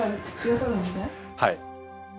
はい。